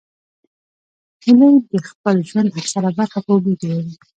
هیلۍ د خپل ژوند اکثره برخه په اوبو تېروي